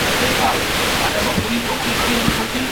Mkoa ulikuwa na watu wapatao milioni moja